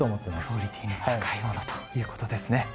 クオリティーの高いものということですね。